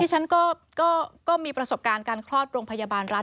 ฉันก็มีประสบการณ์การคลอดโรงพยาบาลรัฐ